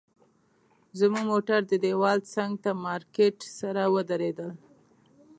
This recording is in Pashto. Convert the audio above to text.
زموږ موټر د دیوال څنګ ته مارکیټ سره ودرېدل.